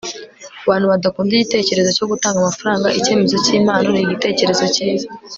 Kubantu badakunda igitekerezo cyo gutanga amafaranga icyemezo cyimpano nigitekerezo cyiza